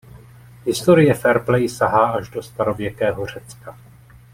Historie fair play sahá až do starověkého Řecka.